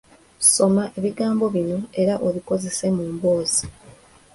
Soma ebigambo bino era obikozese mu mboozi.